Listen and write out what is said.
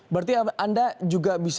berarti anda juga bisa